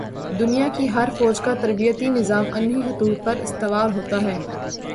دنیا کی ہر فوج کا تربیتی نظام انہی خطوط پر استوار ہوتا ہے۔